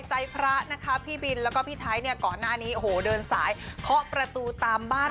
ใจพระนะคะพี่บินแล้วก็พี่ไทยเนี่ยก่อนหน้านี้โอ้โหเดินสายเคาะประตูตามบ้าน